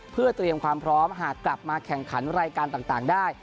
เพื่อเตรียมความพร้อมหากกลับมาแข่งขันรายการต่างได้